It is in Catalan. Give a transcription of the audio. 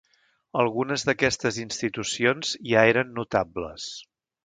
Algunes d'aquestes institucions ja eren notables.